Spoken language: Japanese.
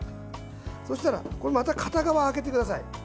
そしたら、また片側空けてください。